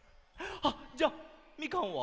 あっじゃあ「みかん」は？